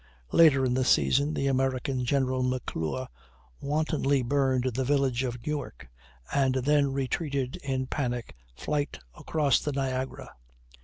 Later in the season the American General McClure wantonly burned the village of Newark, and then retreated in panic flight across the Niagara.